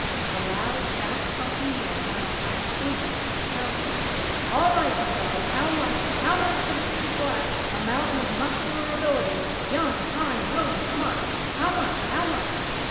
A loud, fast talking man, on a high stand, was shouting: "All right, you guys! How much? How much for this big black? A mountain of muscular ability! Young, kind, willing, smart! How much? How much?"